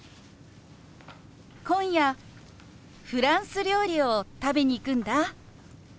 今夜フランス料理を食べに行くんだ。